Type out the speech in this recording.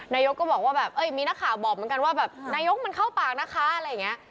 นายกก็บอกว่าแบบมีนักข่าวบอกเหมือนกันว่าแบบนายกมันเข้าปากนะคะอะไรอย่างนี้